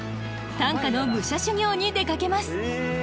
短歌の武者修行に出かけます！